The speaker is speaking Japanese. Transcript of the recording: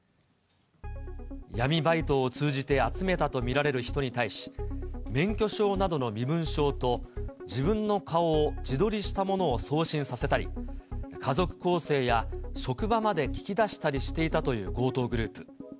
闇バイトを通じて集めたと見られる人に対し、免許証などの身分証と、自分の顔を自撮りしたものを送信させたり、家族構成や職場まで聞きだしたりしていたという強盗グループ。